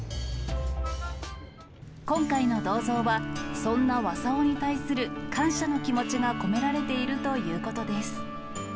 今回の銅像は、そんなわさおに対する感謝の気持ちが込められているということです。